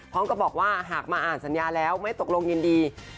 ก็บอกว่าหากมาอ่านสัญญาแล้วไม่ตกลงยินดี